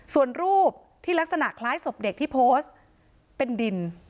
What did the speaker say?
ส่วนรูปที่ลักษณะคล้ายศพเด็กที่โพสต์เป็นดิน